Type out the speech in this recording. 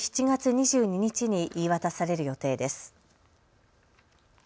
７月２２日に言い渡される予定です。